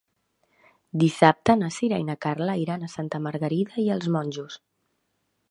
Dissabte na Sira i na Carla iran a Santa Margarida i els Monjos.